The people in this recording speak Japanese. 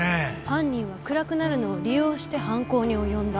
犯人は暗くなるのを利用して犯行に及んだ。